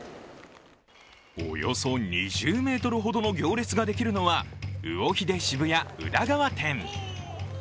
およそ２０ｍほどの行列ができるのは、魚秀渋谷宇田川店。